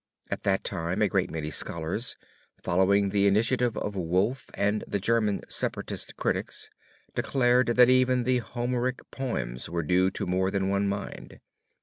At that time a great many scholars, following the initiative of Wolf and the German separatist critics, declared even that the Homeric poems were due to more than one mind.